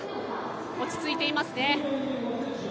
落ち着いていますね。